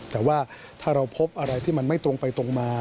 แต่ว่าถ้าเราพบอะไรที่มันไม่ตรงไปตรงมา